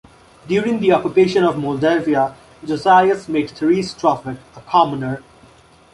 During the occupation of Moldavia, Josias met Therese Stroffeck, a commoner.